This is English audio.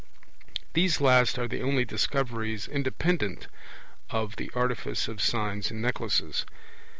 These last are the only Discoveries independent of the artifice of signs and necklaces.